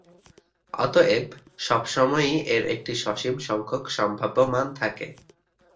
অতএব, সবসময়ই এর একটি সসীম সংখ্যক সম্ভাব্য মান থাকে।